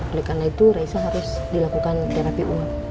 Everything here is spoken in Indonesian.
oleh karena itu raisa harus dilakukan terapi uap